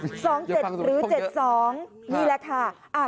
๒๗หรือ๗๒นี่แหละค่ะ